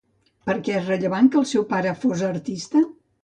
Per què és rellevant que el seu pare fos artista?